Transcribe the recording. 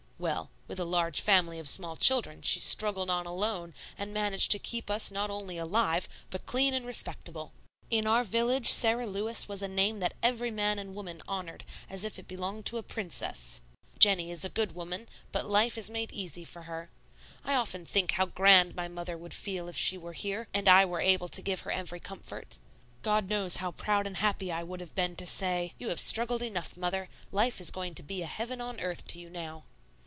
Well, with a large family of small children she struggled on alone and managed to keep us not only alive, but clean and respectable. In our village Sara Lewis was a name that every man and woman honored as if it belonged to a princess. Jennie is a good woman, but life is made easy for her. I often think how grand my mother would feel if she were here, and I were able to give her every comfort. God knows how proud and happy I would have been to say, 'You have struggled enough, Mother; life is going to be a heaven on earth to you now.